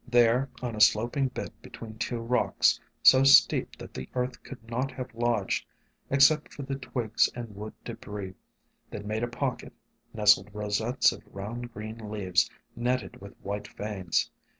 There on a sloping bit between two rocks, so steep that the earth could not have lodged except for the twigs and wood debris, that made a pocket, nestled rosettes of round green leaves netted with white veins.